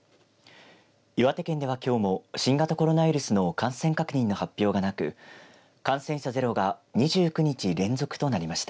岩手県ではきょうも新型コロナウイルスの感染確認の発表がなく感染者ゼロが２９日連続となりました。